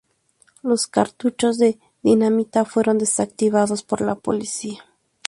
Los cartuchos de dinamita fueron desactivados por la policía.